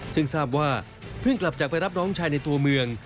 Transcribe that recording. ซึ่งทราบว่าเพิ่งกลับจากไปรับน้องชายในตัวเมือง